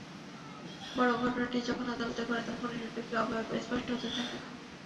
বরং ঘটনাটি যখন আদালতে গড়ায় তখনই নাটকটির অবয়ব স্পষ্ট হতে থাকে।